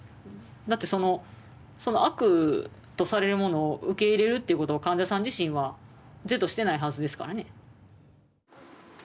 だってその「悪」とされるものを受け入れるということを患者さん自身は是としてないはずですからね。